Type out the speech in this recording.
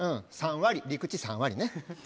３割陸地３割ね。